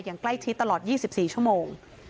อย่างใกล้ชิดตลอด๒๔ชั่วโมง